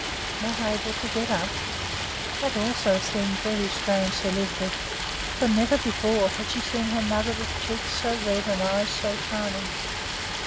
Not able to get up! That also seemed very strange to Lisbeth, for never before had she seen her mother with cheeks so red and eyes so shining.